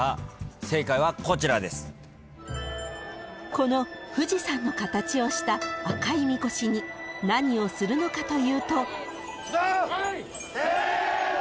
［この富士山の形をした赤いみこしに何をするのかというと］せーの！